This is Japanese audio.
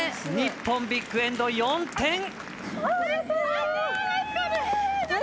日本、ビッグエンド、４点。